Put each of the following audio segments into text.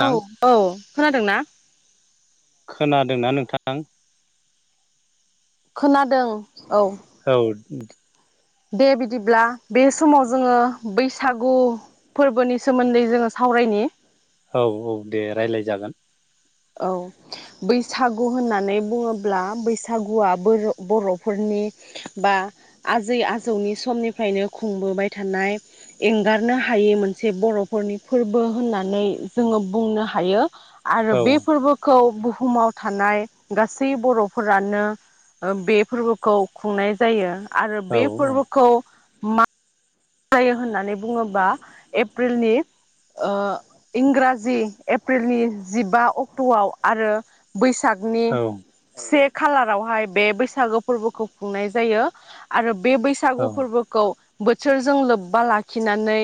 थां औ औ खोनादोंना? खोनादोंना नोंथां? खोनादों औ । [inaudible] दे बिदिब्ला बे समाव जोङो बैसागु फोरबोनि सोमोन्दै जोङो सावरायनि औ औ दे रायलाय जागोन । औ बैसागु होनना नै बुङोब्ला बैसागुआ बोर बर'फोरनि बा आजै आजौनि समनिफ्रायनो खुंबोबाय थानाय एंगारनो हायि मोनसे बर'फोरनि फोरबो होननानै जोङो बुंनो हायो । आरो औ बि [unintelligible] बुहुमाव थानाय गासै बर'फोरानो ओ बे फोरबोखौ खुंनाय जायो । आरो औ बे फोरबोखौ मा [unintelligible] होननानै बुङोबा ए प्रिलनि ओ इंराजि एप्रिलनि जिबा अक्ट'आव आरो बैसाग नि औ से खालारावहाय बे बैसागो फोरबोखौ खुंनाय जायो आरो बे बैसागु फोरबोखौ सोरजों लोब्बा लाखिनानै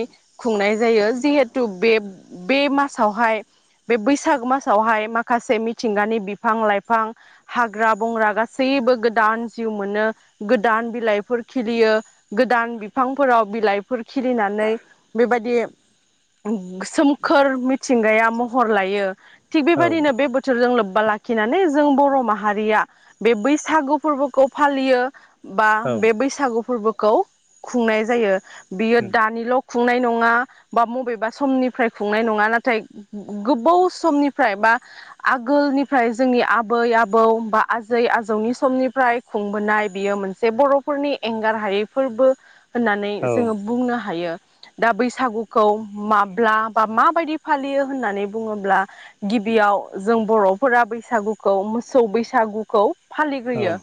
खुंनाय जायो जिहेथु बे बे मासावहाय बे बैसाग मासावहाय माखासे मिथिंगानि बिफां लाइफां हाग्रा बंग्रा गासैबो गोदान जिउ मोनो गोदान बिलाइफोर खिलियो गोदान बि बिफांफोराव बिलाइफोर खिलिनानै बेबायदि सोमखोर मिथिंगाया महर लायो । थिग औ बेबायदिनो बे बोथोरजों लोब बा लाखिनानै जों बर' माहारिया बे बैसागु फोरबोखौ फालियो बा औ उम औ बे बैसागु फोरबो खौ खुंनाय जायो । बियो दानिल' खुंनाय नङा बा बबेबा समनिफ्राय खुंनाय नङा नाथाय गोबाव समनिफ्राय बा आगोलनिफ्राय जोंनि आबै आबौ बा आजै आजौनि समनिफ्राय खुंबोनाय बियो मोनसे बर'फोरनि एंगार हायै फोरबो होननानै जोङो बुंनो हायो । दा बैसागुखौ माब्ला बा माबायदि फालियो होननानै बुङोब्ला गिबियाव जों बर'फोरा बैसागुखौ मोसौ बैसागुखौ औ फालिग्रोयो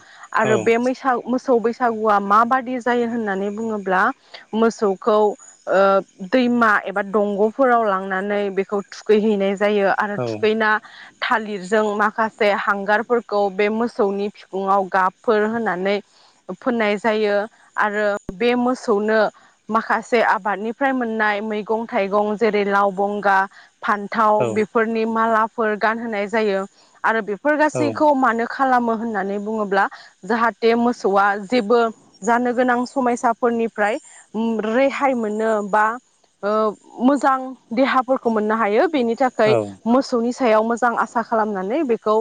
आरो बे मैसा मोसौ बैस बैसागुआ माबादि जायो होननानै बुङोब्ला मोसौखौ दैमा एबा दंगफोराव लांनानै बेखौ थुैखैहैनाय ज जायो औ आरो उम थुखैना थालिरजों माखासे हांगारफोरखौ बे मोसौनि बिखुङाव गाबफोर होनानै फोननाय जायो आरो। बे मोसौनो, माखासे आबादनिफ्राय मोननाय मैगं थाइगं जेरै लाव बंगा फान्थाव औ बेफोरनि माला फोर गानहाय जायो आरो बे फोर औ गासैखौ मानो खालामो होननानै बुङोब्ला? जाहाथे मोसौआ जेबो जानो गोनां समयसाफोरनिफ्राय रेहाय मोनो बा मोजां देहाफोरखौ मोननो हायो। बेनि औ थाखाय मोसौनि सायाव मोजां आसा खालामनानै बेखौ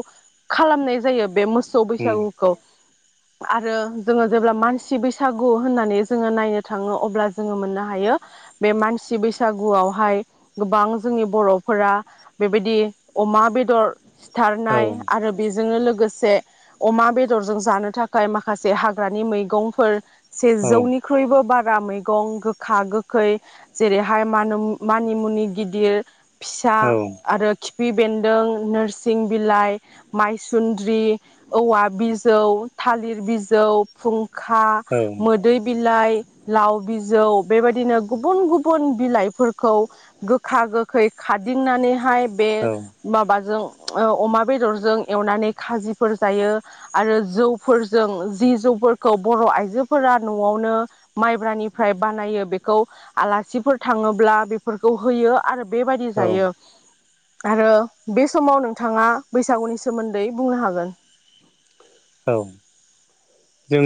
खालामनाय जायो बे मो सौ बैसागुखौ आरो जोङो जेब्ला मानसि बैसागु गु होननानै जोङो नायनो थाङो। अब्ला जोङो मोननो हायो बे मानसि बैसागुआवहाय गोबां जोंनि बर'फोरा बेबायदि अमा बेदर बुथारनाय आरो बेजोंनो लोगोसे से अमा बेदरजों जानो थाखाय माखासे हाग्रानि मैगंफोर से जौनिख्रुइबो बार बारा मैगं गोखा गोखै जेरैहाय मान' मानि मुनि गिदिर। फिसा आरो खिफि बेन्दों, नोरसिं बिलाइ, माइसुन्द्रि, औवा बिजौ, थालिर बिजौ, फुं खा बिलाइ लाव बिजौ बेबायदिनो गुबुन गुबुन बिलाइफोरखौ गोखा गोखै खादिंनानैहाय बे औ माबाजों अमा बेदरजों एवनानै खाजिफोर जायो आरो, जौफोरजों जि जौफोरखौ बर आइजो फोरा नआवनो माइब्रानिफ्राय बानायो बेखौ आलासिफोर थाङोब्ला बेफोरखौ होयो। आरो बेबायदि जायो। आरो बे समाव नोंथाङा बैसागुनि सोमोन्दै बुंनो हागोन। औ जों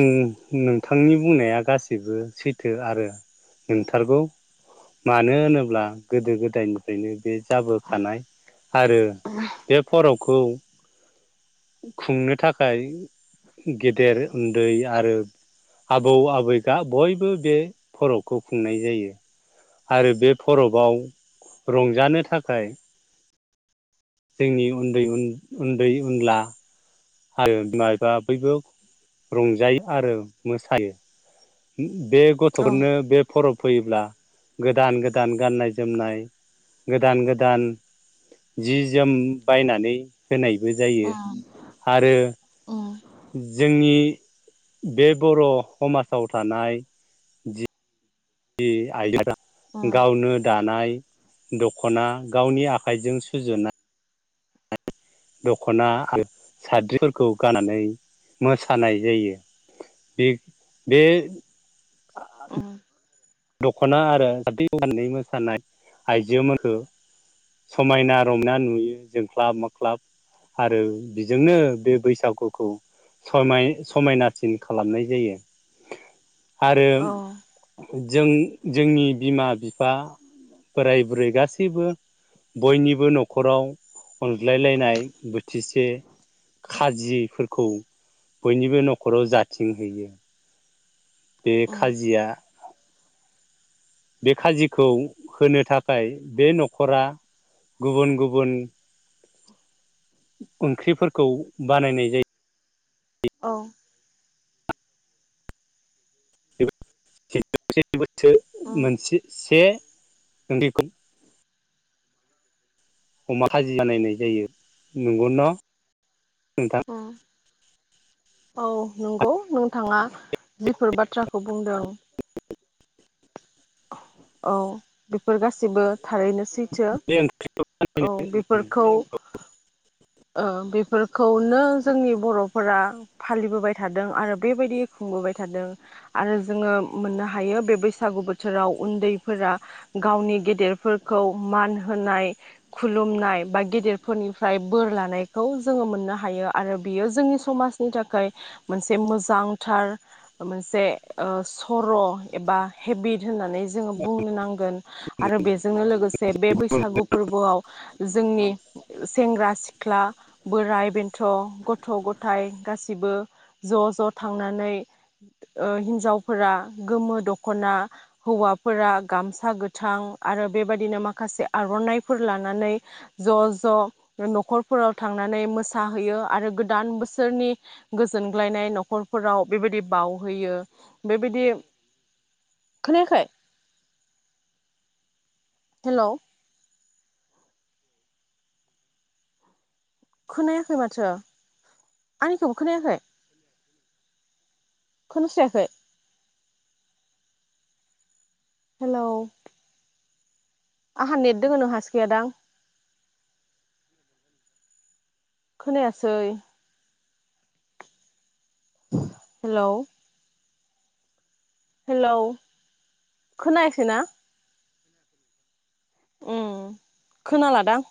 नोंथांनि बुंनाया गासैबो सैथो आरो नंथारगौ मानो होनोब्ला गोदो गोदायनिफ्रायनो बे जाबोखानाय आरो बे फर खौ खुंनो थाखाय गेदेर उन्दै आरो आबौ आबैगा बयबो बे फरबखौ खुंनाय जायो, आरो बे फबआव रंजानो थाखाय जोंनि उन्दै उन्दै उनला हायो बिमबा बयबो रंजायो आरो मोसायो। - [inaudible] बे औ गथफोरनो बे फरब [unintelligible] फैयोब्ला गोदान गोदान गाननाय जोमनाय, गोदान गोदान जि जोम बायनानै होनायबो जायो उम आरो जोंनि बे बर समाज फोसाव थानाय जि बे आय [unintelligible] उम गावनो दानाय दखना गावनि आखाइजों सुजुनाय दखना आरो साद्रिफोरखौ गाननानै मोसानाय जायो बे बे उम दखना आरो हदैननै [unintelligible] मोसानाय आइजोख समायना रंना नुयो जोंख्लाब माख्लाब आरो बिजोंनो बे बैसागुखौ सम समायनासिन खालामनाय जायो। आरो औ जों जोंनि बिमा बिफा बोराय बुरै गासैबो बयनिबो नखराव अनज्लायलायनाय बोथिसे खाजिफोरखौ बयनिबो नखराव जाथिंहैयो बे उम खाजिया बे खाजिखौ होनो थाखाय बे नखरा गुबुन गुबुन ओंख्रिफोरखौ बानायनाय जायो। औ [unintelligible] थो उम मोनसे से उन्दैखोब [unintelligible] अमा खाजि बानायनाय जायो नंगौ न नोंथां औ औ नोंगौ नोंथाङा जिफोर बाथ्राखौ बुंदों औ बेफोर गासिबो थारैनो सैथो बे ओंख्रिखौ औ बेफोरखौ फोरखौनो जोंनि बरफोरा फालिबोबाय थादों आरो बेबायदि खुंबोबाय थादों आरो जोङो मोननो हायो बे बैसागु बोथोराव उन्दैफोरा गावनि गेदेरफोरखौ मान होनाय खुलुमनाय बा गेदेरफोरनिफ्राय बोर लानायखौ जोङो मोननो हायो आरो बियो जोंनि समाजनि थाखाय मोनसे मोजांथार मोनसे सर' एबा हेबिट होननानै जोङो बुंनो नांगोन। आरो बे [unintelligible] जोंनो लोगोसे बे बैसागु फोरबोआव जोंनि। ओ सेंग्रा सिख्ला बोराइ बेन्थ' गथ' गथाय गासिबो ज' ज' थांनानै ओ हिन्जावफोरा गोमो दख'ना हौवा फोरा गामसा गोथां आरो बेबायदिनो माखासे आर'नाइफोर लानानै ज' ज' नखरफोराव थांनानै मोसाहैयो आरो गोदान बोसोरनि गोजोनग्लायनाय न'खरफोराव बेबायदि बावहैयो बेबायदि खोनायाखै? हेलौ खोनायाखै माथो आंनिखौबो खोनायाखै खोनास्रायाखै? हेलौ आंहा नेेट दोङो नों हासो गैयादां? खोनायासै। हेलौ। हेलौ खोनायसै ना? ओम खोनालादां।